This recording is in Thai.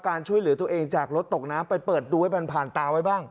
การช่วยเหลือตัวเองจากรถตกน้ำไปเปิดดูให้มันผ่านตาไว้บ้าง